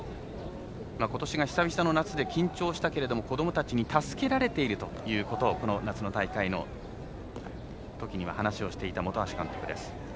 ことしが久々の夏で緊張したけれども、子どもたちに助けられているということをこの夏の大会のときには話をしていた本橋監督です。